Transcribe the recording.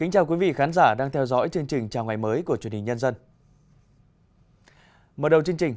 chào mừng quý vị đến với bộ phim hãy nhớ like share và đăng ký kênh của chúng mình nhé